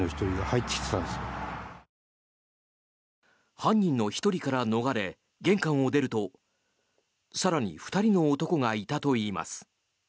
犯人の１人から逃れ玄関を出ると更に２人の男がいたといいます。